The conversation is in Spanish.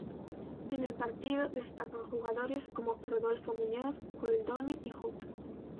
En el partido destacan jugadores como Rodolfo Muñoz, Goldoni y Hutt.